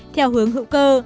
theo hướng hữu cơ